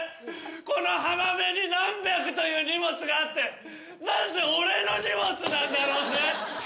この浜辺に何百という荷物があってなんで俺の荷物なんだろうね！